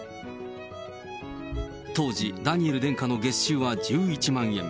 当時、ダニエル殿下の月収は１１万円。